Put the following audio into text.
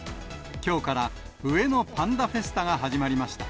きょうから、うえのパンダフェスタが始まりました。